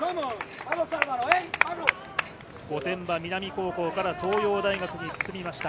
御殿場南高校から東洋大学に進みました。